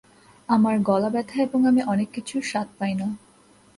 আমার গলা ব্যথা এবং আমি অনেক কিছুর স্বাদ পাই না।